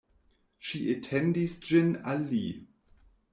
Ŝi etendis ĝin al li.